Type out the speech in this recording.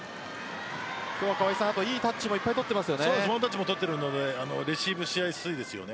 今日はいいタッチもいっぱい取っています。